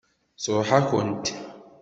Tṛuḥ-akent.